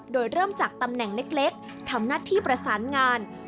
โดยเริ่มจากตำแหน่งเล็กทำหน้าที่ประสานงาน